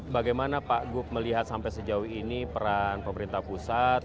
bagaimana pak gup melihat sampai sejauh ini peran pemerintah pusat